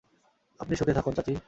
আপনি সুখে থাকুন, চাচী।